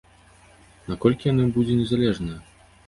Наколькі яно будзе незалежнае?